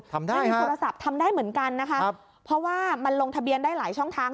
ทำได้ค่ะทำได้เหมือนกันนะคะเพราะว่ามันลงทะเบียนได้หลายช่องทาง